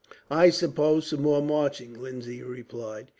"I suppose some more marching," Lindsay replied.